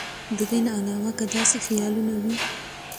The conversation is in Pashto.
د دې نه علاوه کۀ داسې خيالونه وي